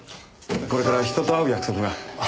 これから人と会う約束が。